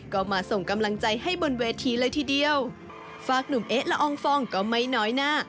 ก็มาส่งกำลังใจให้บนเวทีเลยทีเดียวฝากหนุ่มเอ๊ะละอองฟองก็ไม่น้อยหน้า